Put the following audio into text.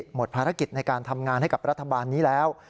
หมดภารกิจในการทำงานให้กับรัฐบาลนี้แล้ว